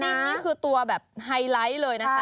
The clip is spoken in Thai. น้ำจิ้มนี่คือตัวแบบไฮไลท์เลยนะคะ